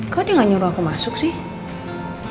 kok dia nggak nyuruh aku masuk sih